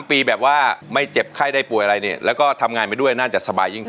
ปีแบบว่าไม่เจ็บไข้ได้ป่วยอะไรเนี่ยแล้วก็ทำงานไปด้วยน่าจะสบายยิ่งขึ้น